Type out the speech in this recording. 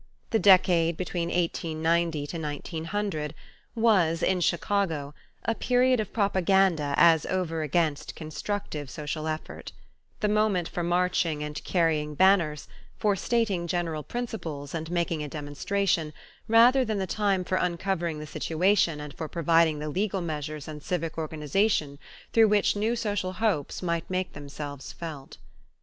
The decade between 1890 1900 was, in Chicago, a period of propaganda as over against constructive social effort; the moment for marching and carrying banners, for stating general principles and making a demonstration, rather than the time for uncovering the situation and for providing the legal measures and the civic organization through which new social hopes might make themselves felt.